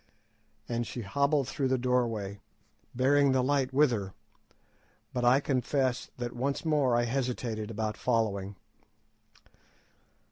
_" and she hobbled through the doorway, bearing the light with her; but I confess that once more I hesitated about following.